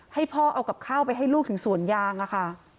ให้พ่อเอากับข้าวไปให้ลูกถึงสวนยางอะค่ะ